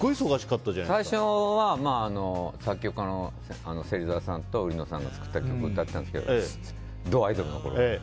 最初は作曲のセリザワさんとウリノさんが作った曲を歌ってたんですけどドアイドルのころは。